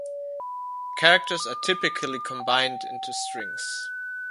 Characters are typically combined into strings.